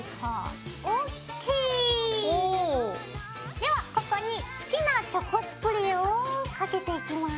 ではここに好きなチョコスプレーをかけていきます。